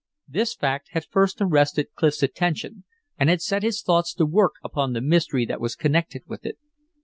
This fact had first arrested Clif's attention and had set his thoughts to work upon the mystery that was connected with it.